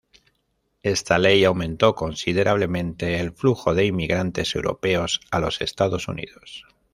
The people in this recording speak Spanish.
Esta ley aumentó considerablemente el flujo de inmigrantes europeos a los Estados Unidos.